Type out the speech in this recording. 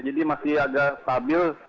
jadi masih agak stabil